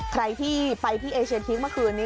ใครที่ไปที่เอเชียทีกเมื่อคืนนี้